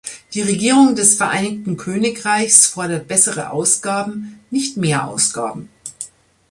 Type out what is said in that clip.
Die Regierung des Vereinigten Königreichs fordert bessere Ausgaben, nicht mehr Ausgaben.